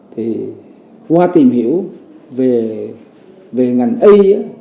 thì qua tìm hiểu về ngành y